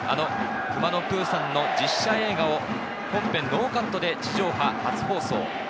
あの『くまのプーさん』の実写映画を本編ノーカットで地上波初放送。